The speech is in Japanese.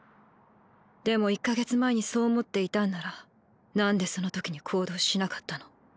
でも１か月前にそう思っていたんなら何でその時に行動しなかったの？